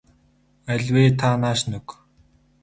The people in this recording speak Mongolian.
Аль вэ та нааш нь өг.